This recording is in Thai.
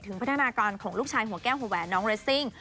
พัฒนาการของลูกชายหัวแก้วหัวแหวนน้องเรสซิ่ง